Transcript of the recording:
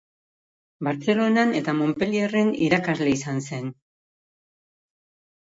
Bartzelonan eta Montpellierren irakasle izan zen.